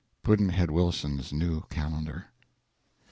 Pudd'nhead Wilson's New Calendar.